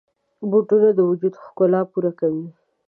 بوټونه د وجود ښکلا پوره کوي.